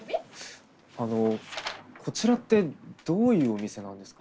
あのこちらってどういうお店なんですか？